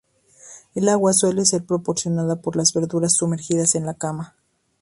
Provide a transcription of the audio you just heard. El agua suele ser proporcionada por las verdura sumergidas en la cama.